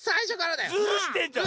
ズルしてんじゃん！